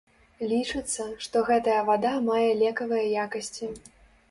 Лічыцца, што гэтая вада мае лекавыя якасці.